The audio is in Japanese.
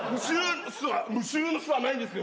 無臭の酢はないんですよ。